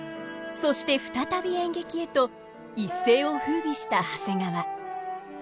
そして再び演劇へと一世を風靡した長谷川。